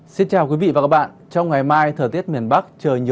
xin chào quý vị và các bạn